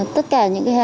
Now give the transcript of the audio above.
tất cả những cái hai